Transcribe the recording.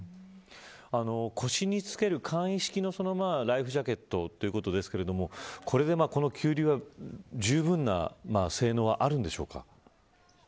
腰に着ける簡易式のライフジャケットということですけどこれで急流は十分な性能あるんでしょうか。